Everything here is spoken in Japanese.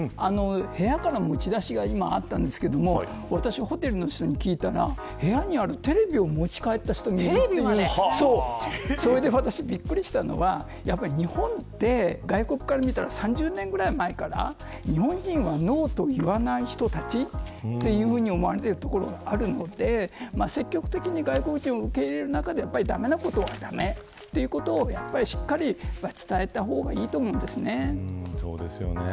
部屋から持ち出しが今、あったんですけれども私ホテルの人に聞いたら部屋にあるテレビを持ち帰った人もいるとそれで、私びっくりしたのは日本って外国から見たら３０年くらい前から日本人はノーと言わない人たちというふうに思われているところがあるので積極的に外国人を受け入れる中で駄目なことは駄目ということをしっかり伝えた方がそうですよね。